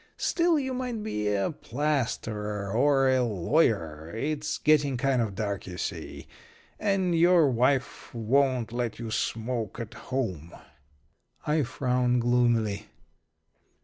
Still, you might be a plasterer or a lawyer it's getting kind of dark, you see. And your wife won't let you smoke at home." I frowned gloomily.